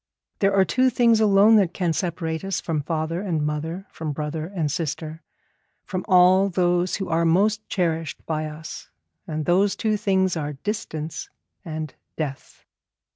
There are two things alone that can separate us from father and mother, from brother and sister, from all those who are most cherished by us, and those two things are distance and death.